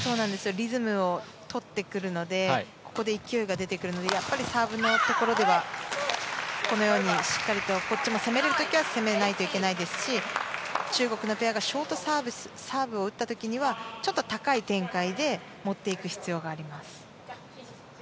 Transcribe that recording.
リズムをとってくるのでここで勢いが出てくるのでやっぱりサーブのところではこのようにこっちも攻める時は攻めないといけないですし中国のペアがショートサーブを打った時にはちょっと高い展開で持っていく必要があります。